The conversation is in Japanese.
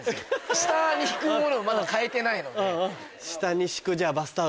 下に敷くものをまだ買えてないので。